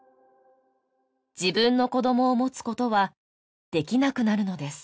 自分の子どもを持つことはできなくなるのです